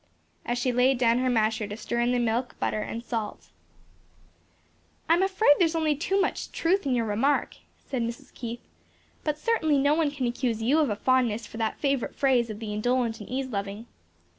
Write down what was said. as she laid down her masher to stir in the milk, butter and salt. "I'm afraid there is only too much truth in your remark," said Mrs. Keith, "but certainly no one can accuse you of a fondness for that favorite phrase of the indolent and ease loving."